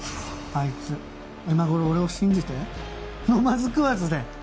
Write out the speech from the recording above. あいつ今頃俺を信じて飲まず食わずで。